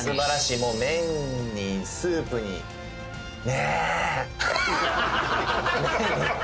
もう麺にスープにねえ何？